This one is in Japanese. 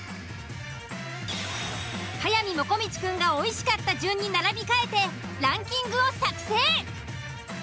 速水もこみちくんがおいしかった順に並び替えてランキングを作成。